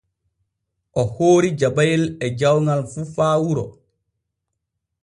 O hoori jabayel e jawŋal fu faa wuro.